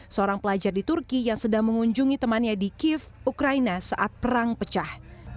seorang pelajar di turki yang sedang mengunjungi temannya di kiev ukraina saat perang pecah